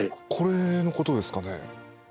これのことですかね？